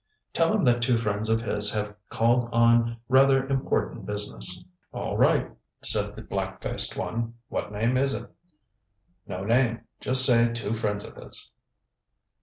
ŌĆØ ŌĆ£Tell him that two friends of his have called on rather important business. ŌĆØ ŌĆ£All right, ŌĆØ said the black faced one. ŌĆ£What name is it? ŌĆØ ŌĆ£No name. Just say two friends of his.